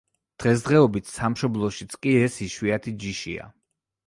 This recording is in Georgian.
დღესდღეობით სამშობლოშიც კი ეს იშვიათი ჯიშია.